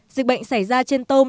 dịch bệnh xảy ra trên tôm